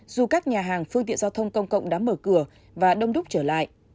dù các nhà hàng phương tiện giao thông công cộng đã mở cửa và đông đúc trở lại